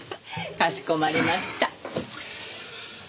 かしこまりました。